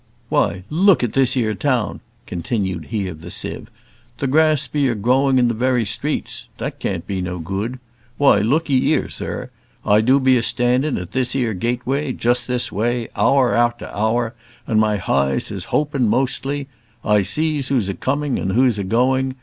"Why, luke at this 'ere town," continued he of the sieve, "the grass be a growing in the very streets; that can't be no gude. Why, luke 'ee here, zur; I do be a standing at this 'ere gateway, just this way, hour arter hour, and my heyes is hopen mostly; I zees who's a coming and who's a going.